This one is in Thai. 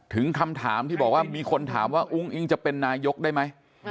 คำถามที่บอกว่ามีคนถามว่าอุ้งอิงจะเป็นนายกได้ไหม